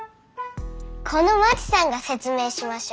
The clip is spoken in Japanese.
このまちさんが説明しましょう。